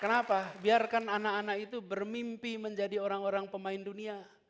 kenapa biarkan anak anak itu bermimpi menjadi orang orang pemain dunia